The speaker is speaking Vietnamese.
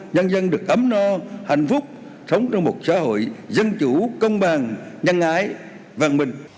nhân dân được ấm no hạnh phúc sống trong một xã hội dân chủ công bằng nhân ái văn minh